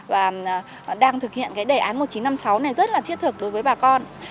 và đang thực hiện cái đề án một nghìn chín trăm năm mươi sáu này rất là thiết thực đối với bà con